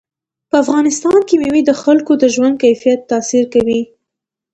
په افغانستان کې مېوې د خلکو د ژوند کیفیت تاثیر کوي.